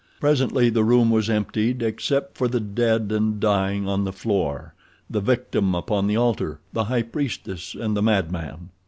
Presently the room was emptied except for the dead and dying on the floor, the victim upon the altar, the high priestess, and the madman.